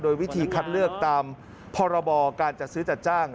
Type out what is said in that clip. วิธีคัดเลือกตามพรบการจัดซื้อจัดจ้าง